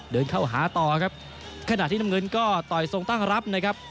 เดินเข้าหาต่อครับขณะที่น้ำเงินก็ต่อยทรงตั้งรับนะครับ